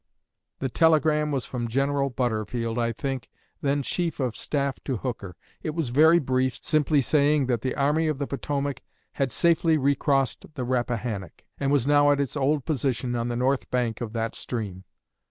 The telegram was from General Butterfield, I think, then chief of staff to Hooker. It was very brief, simply saying that the Army of the Potomac had 'safely recrossed the Rappahannock,' and was now at its old position on the north bank of that stream.